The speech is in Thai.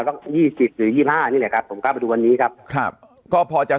ต้อง๒๐หรือ๒๕นี่แหละครับผมครับ